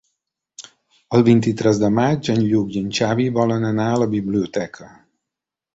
El vint-i-tres de maig en Lluc i en Xavi volen anar a la biblioteca.